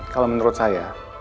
kalau menurut saya